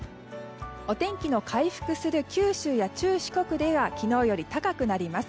お天気の回復する九州や中・四国では昨日より高くなります。